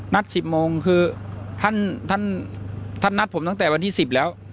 ๑๐โมงคือท่านนัดผมตั้งแต่วันที่๑๐แล้ว